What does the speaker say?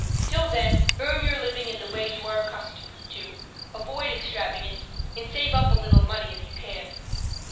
Till then earn your living in the way you are accustomed to, avoid extravagance, and save up a little money if you can."